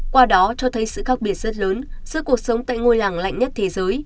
qua đó cho thấy sự khác biệt rất lớn giữa cuộc sống tại ngôi làng lạnh nhất thế giới